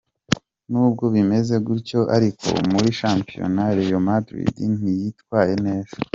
N'ubwo bimeze gutyo ariko, muri shampiyona, Real Madrid ntiyitwaye neza.